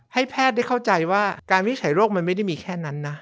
ให้แพทย์ได้เข้าใจว่าการวินิจฉัยโรคมันไม่ได้มีแค่นั้นนะ